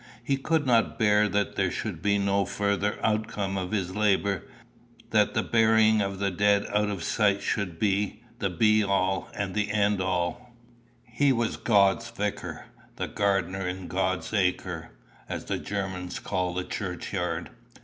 He could not bear that there should be no further outcome of his labour; that the burying of the dead out of sight should be "the be all and the end all." He was God's vicar, the gardener in God's Acre, as the Germans call the churchyard.